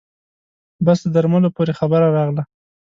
بس د درملو پورې خبره راغله.